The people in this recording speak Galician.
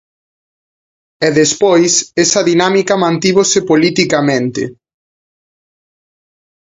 E despois esa dinámica mantívose politicamente.